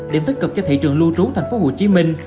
điểm tích cực cho thị trường lưu trú thành phố hồ chí minh